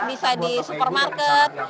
bisa di supermarket